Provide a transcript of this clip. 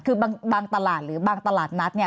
คือบางตลาดหรือบางตลาดไม้